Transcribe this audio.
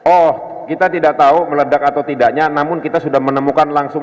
oh kita tidak pahamui meledak atau tidak tapi sudah inadequate langsung